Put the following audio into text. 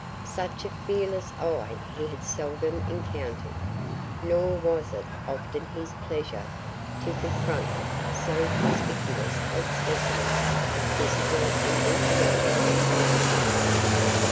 Such a fearless eye he had seldom encountered, nor was it often his pleasure to confront so conspicuous a specimen of physical and intellectual manhood.